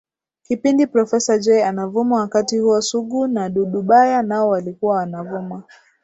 Kipindi Professa Jay anavuma wakati huo Sugu na Dudubaya nao walikuwa wanavuma